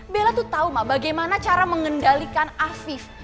bella tuh tahu mak bagaimana cara mengendalikan afif